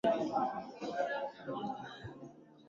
madawa ya kulevya yaani Cocaine na HeroinCocaine